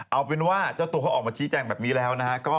เอาเป็นว่าเจ้าตัวเขาออกมาชี้แจงแบบนี้แล้วนะฮะ